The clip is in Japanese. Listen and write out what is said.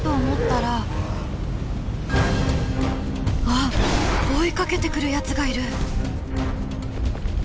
あっ追いかけてくるやつがいる！